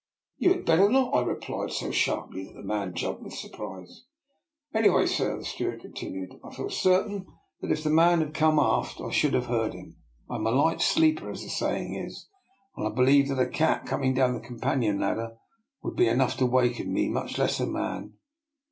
" You had better not," I replied, so sharp ly that the man jumped with surprise. " Anyway, sir," the steward continued, " I feel certain that if the man had come aft I should have heard him. I am a light sleeper, I20 DR. NIKOLA'S EXPERIMENT. as the saying is, and I believe that a cat com ing down the companion ladder would be enough to waken me, much less a man."